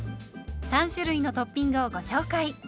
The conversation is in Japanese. ３種類のトッピングをご紹介。